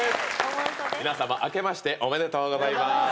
皆さま明けましておめでとうございます。